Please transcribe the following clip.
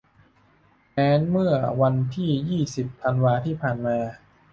แม้เมื่อวันที่ ยี่สิบ ธันวาที่ผ่านมา